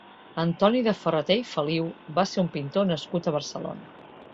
Antoni de Ferrater i Feliu va ser un pintor nascut a Barcelona.